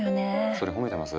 それ褒めてます？